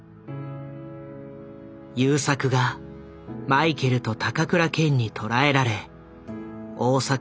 優作がマイケルと高倉健に捕らえられ大阪府警の階段を上る。